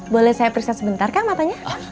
boleh saya persis sebentar kang matanya